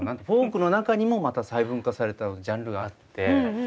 フォークの中にもまた細分化されたジャンルがあって。